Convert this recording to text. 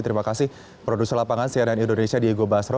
terima kasih produser lapangan cnn indonesia diego basro